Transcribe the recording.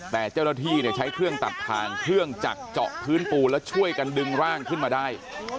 แต่เจ้าหน้าที่ใช้เครื่องตัดทางเครื่องจักรเจาะพื้นปูแล้วช่วยกันดึงร่างขึ้นมาได้